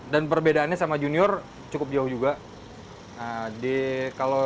dan perbedaannya sama junior cukup jauh juga